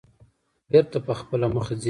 بېرته په خپله مخه ځي.